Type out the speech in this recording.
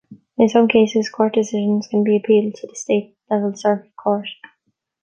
In some cases, court decisions can be appealed to the state level circuit court.